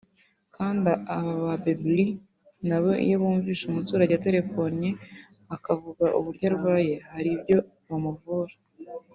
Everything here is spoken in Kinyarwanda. Kandi aba ba ‘Babyl’ nabo iyo bumvise umuturage aterefonnye akavuga uburyo arwaye hari ibyo bamuvura